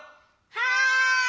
はい！